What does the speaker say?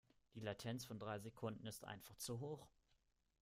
Die Latenz von drei Sekunden ist einfach zu hoch.